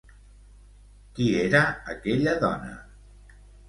Qui era aquella dona?